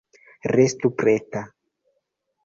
Restu preta.